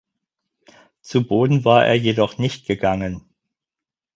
Zu Boden war er jedoch nicht gegangen.